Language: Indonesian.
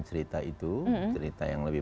cerita itu cerita yang lebih